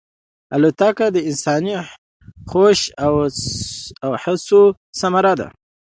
الوتکه د انساني هوش او هڅو ثمره ده.